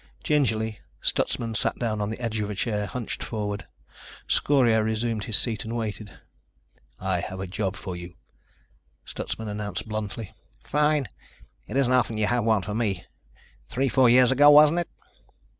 Gingerly Stutsman sat down on the edge of a chair, hunched forward. Scorio resumed his seat and waited. "I have a job for you," Stutsman announced bluntly. "Fine. It isn't often you have one for me. Three four years ago, wasn't it?"